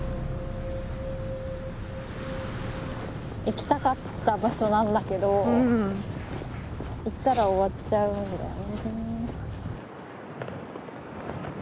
行きたかった場所なんだけど行ったら終わっちゃうんだね。